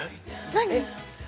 何？